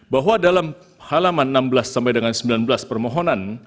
bahwa dalam halaman enam belas sampai dengan sembilan belas permohonan